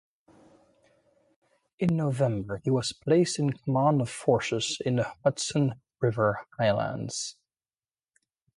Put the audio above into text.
In November he was placed in command of forces in the Hudson River Highlands.